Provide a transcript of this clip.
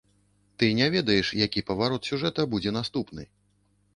Ты не ведаеш, які паварот сюжэта будзе наступны.